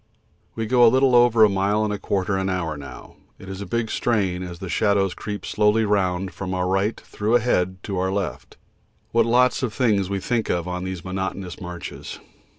We go little over a mile and a quarter an hour now it is a big strain as the shadows creep slowly round from our right through ahead to our left. What lots of things we think of on these monotonous marches!